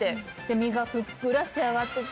身がふっくら仕上がってて。